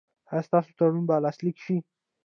ایا ستاسو تړون به لاسلیک شي؟